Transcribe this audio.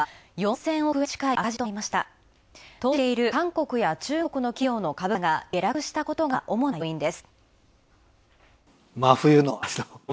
投資している韓国や中国の企業の株価が下落したことが主な要因です。